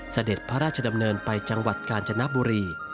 เสด็จพระราชดำเนินไปจังหวัดกาญจนบุรี